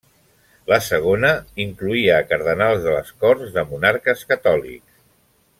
La segona incloïa a cardenals de les corts de monarques catòlics.